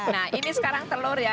nah ini sekarang telur ya